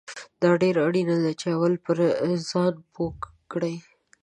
دا ډیره اړینه ده چې اول پرې ځان پوه کړې